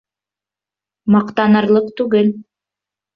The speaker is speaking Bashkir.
— Маҡтанырлыҡ түгел...